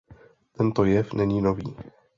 Tento jev není nový.